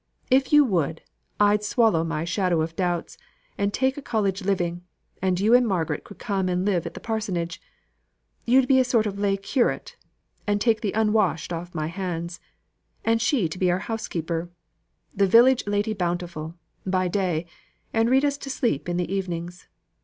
If you would, I'd swallow my shadows of doubts, and take a college living; and you and Margaret should come and live at the parsonage you to be a sort of lay curate, and take the unwashed off my hands; and she to be our housekeeper the village Lady Bountiful by day; and read us to sleep in the evenings.